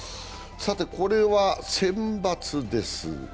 これはセンバツです。